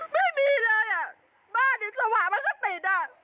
ไม่มีเลยอ่ะบ้านอยู่สว่างมันก็ติดอ่ะ